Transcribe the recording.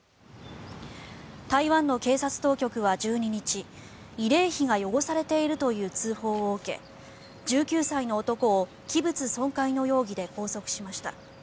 台湾の警察当局は１２日慰霊碑が汚されているという通報を受け１９歳の男を器物損壊の容疑で拘束しました。